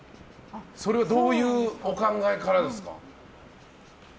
それはどういうお考えからですか？